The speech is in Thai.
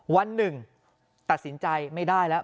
วันหนึ่งตัดสินใจไม่ได้แล้ว